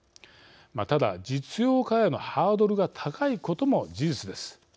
ただ実用化へのハードルが高いことも事実です。